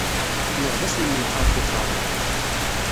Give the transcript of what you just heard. Inɣed-as lemleḥ ɣef uqeṛṛu.